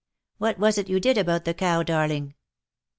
What was it you did about the cow, darling